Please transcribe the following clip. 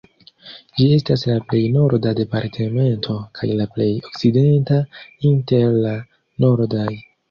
Ĝi estas la plej norda departemento kaj la plej okcidenta inter la nordaj.